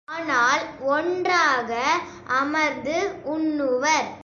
ஆனால் ஒன்றாக அமர்ந்து உண்ணுவர்.